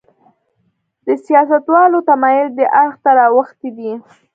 د سیاستوالو تمایل دې اړخ ته راوښتی دی.